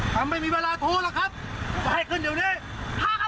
ถ้าไม่มีเวลาโทรหรอกครับจะให้ขึ้นเดี๋ยวนี้